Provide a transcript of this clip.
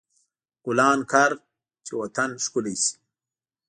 ګلان کر، چې وطن ښکلی شي.